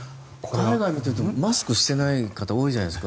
海外を見てみるとマスクしてない方多いじゃないですか。